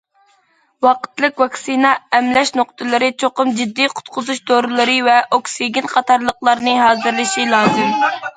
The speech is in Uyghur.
ۋاقىتلىق ۋاكسىنا ئەملەش نۇقتىلىرى چوقۇم جىددىي قۇتقۇزۇش دورىلىرى ۋە ئوكسىگېن قاتارلىقلارنى ھازىرلىشى لازىم.